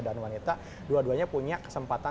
dan wanita dua duanya punya kesempatan